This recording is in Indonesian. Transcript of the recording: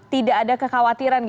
tidak ada kekhawatiran